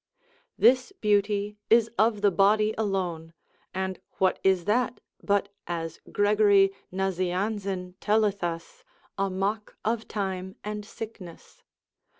This beauty is of the body alone, and what is that, but as Gregory Nazianzen telleth us, a mock of time and sickness?